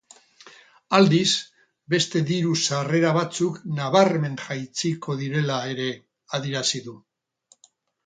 Aldiz, beste diru sarrera batzuk nabarmen jaitsiko direla ere adierazi du.